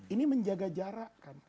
ini menjaga jarak kan